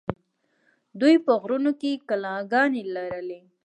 دوی په غرونو کې کلاګانې لرلې